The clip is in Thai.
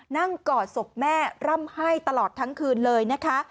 กอดศพแม่ร่ำไห้ตลอดทั้งคืนเลยนะคะ